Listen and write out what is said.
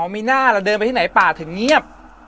มีหน้าเราเดินไปที่ไหนป่าถึงเงียบ